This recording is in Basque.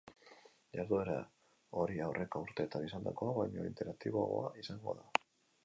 Jarduera hori aurreko urteetan izandakoa baino interaktiboagoa izango da.